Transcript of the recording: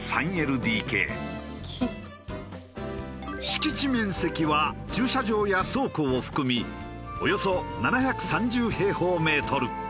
敷地面積は駐車場や倉庫を含みおよそ７３０平方メートル。